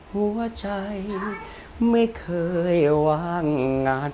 หัวใจไม่เคยว่างงาน